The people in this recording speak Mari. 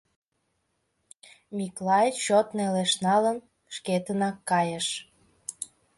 Миклай, чот нелеш налын, шкетынак кайыш.